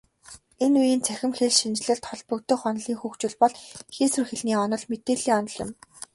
Энэ үеийн цахим хэлшинжлэлд холбогдох онолын хөгжил бол хийсвэр хэлний онол, мэдээллийн онол юм.